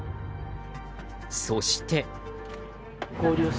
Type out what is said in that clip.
そして。